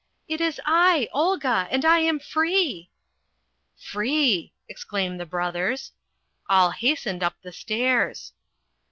"It is I, Olga, and I am free!" "Free," exclaimed the brothers. All hastened up the stairs.